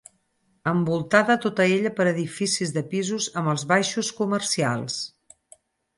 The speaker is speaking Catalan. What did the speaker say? Envoltada tota ella per edificis de pisos amb els baixos comercials.